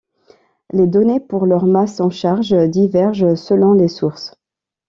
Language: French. Les données pour leur masse en charge divergent selon les sources.